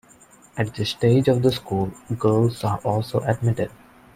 At this stage of the school, girls are also admitted.